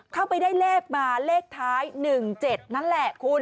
เข้าไปได้เลขมาเลขท้าย๑๗นั่นแหละคุณ